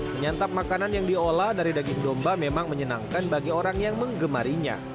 menyantap makanan yang diolah dari daging domba memang menyenangkan bagi orang yang mengemarinya